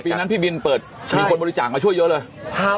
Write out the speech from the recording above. อ่าปีนั้นพี่วินเปิดใช่มีคนบริจาคมาช่วยเยอะเลยห้า